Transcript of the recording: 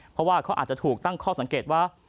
เพราะว่าเขาอาจจะถูกตั้งข้อสังเกตว่า